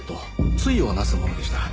対を成すものでした。